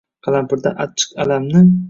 Qalampirdan achchiq alamni